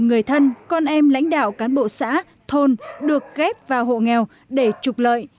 người thân con em lãnh đạo cán bộ xã thôn được ghép vào hộ nghèo để trục lợi